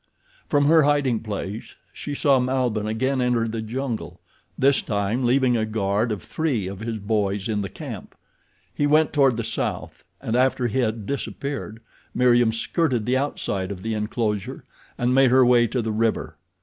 From her hiding place she saw Malbihn again enter the jungle, this time leaving a guard of three of his boys in the camp. He went toward the south, and after he had disappeared, Meriem skirted the outside of the enclosure and made her way to the river.